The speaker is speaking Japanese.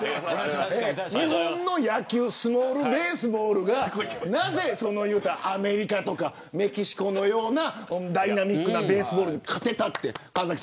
日本の野球スモールベースボールがアメリカとかメキシコのようなダイナミックなベースボールに勝てたのか。